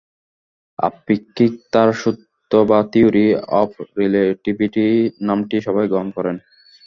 আপেক্ষিকতার সূত্র বা theory of relativity নামটিই সবাই গ্রহণ করেন।